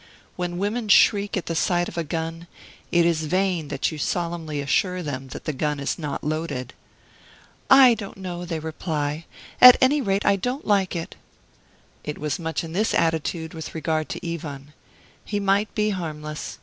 When women shriek at the sight of a gun, it is in vain that you solemnly assure them that the gun is not loaded. "I don't know," they reply, "at any rate, I don't like it." I was much in this attitude with regard to Ivan. He might be harmless.